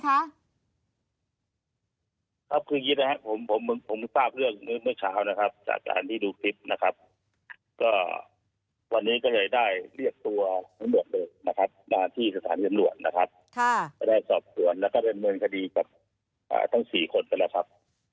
ครับคืออย่างนี้นะครับผมผมทราบเรื่องเมื่อเช้านะครับจากการที่ดูคลิปนะครับก็วันนี้ก็เลยได้เรียกตัวทั้งหมดเลยนะครับมาที่สถานีตำรวจนะครับก็ได้สอบสวนแล้วก็ดำเนินคดีกับทั้ง๔คนไปแล้วครับ